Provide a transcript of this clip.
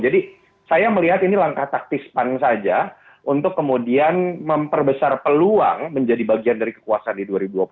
jadi saya melihat ini langkah taktis pan saja untuk kemudian memperbesar peluang menjadi bagian dari kekuasaan di dua ribu dua puluh empat